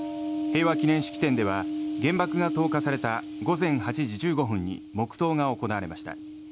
平和祈念式典では原爆が投下された午前８時１５分に黙祷が行われました。